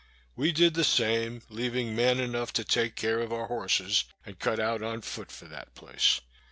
We did the same, leaving men enough to take care of our horses, and cut out on foot for that place.